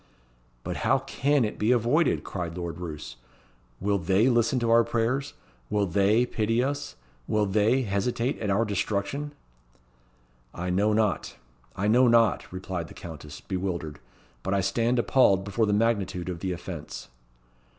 "But how can it be avoided?" cried Lord Roos. "Will they listen to our prayers? Will they pity us? Will they hesitate at our destruction?" "I know not I know not," replied the Countess, bewildered; "but I stand appalled before the magnitude of the offence."